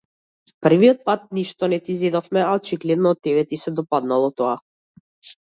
Првиот пат ништо не ти зедовме, а очигледно, тебе ти се допаднало тоа.